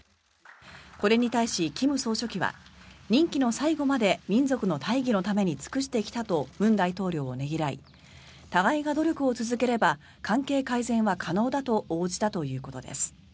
これに対し金総書記は任期の最後まで民族の大義のために尽くしてきたと文大統領をねぎらい互いが努力を続ければ関係改善は可能だと応じたということです。